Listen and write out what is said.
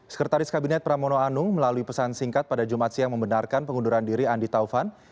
sekretaris kabinet pramono anung melalui pesan singkat pada jumat siang membenarkan pengunduran diri andi taufan